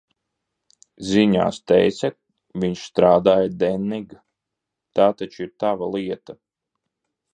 "Ziņās teica, viņš strādāja "Denning", tā taču ir tava lieta?"